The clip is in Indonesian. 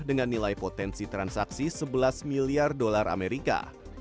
dengan nilai potensi transaksi sebelas miliar dolar amerika